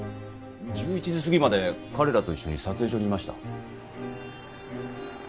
１１時過ぎまで彼らと一緒に撮影所にいました。